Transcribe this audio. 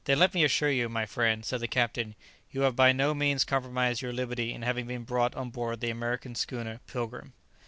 ] "Then, let me assure you, my friend," said the captain, "you have by no means compromised your liberty in having been brought on board the American schooner 'Pilgrim.'"